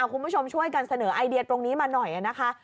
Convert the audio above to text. คุณผู้ชมช่วยกันเสนอไอเดียตรงนี้มาหน่อยนะคะ